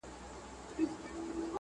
د ډياسپورا رامنځته کېدل ګڼلای سو